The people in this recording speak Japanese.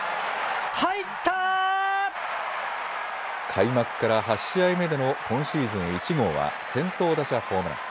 開幕から８試合目での今シーズン１号は先頭打者ホームラン。